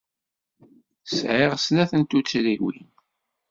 Sɛiɣ snat n tuttriwin.